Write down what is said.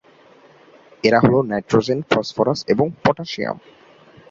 এরা হলো:নাইট্রোজেন, ফসফরাস এবং পটাসিয়াম।